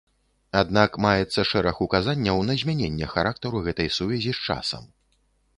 Аднак маецца шэраг указанняў на змяненне характару гэтай сувязі з часам.